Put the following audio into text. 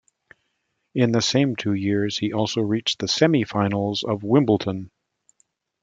In the same two years, he also reached the semi-finals of Wimbledon.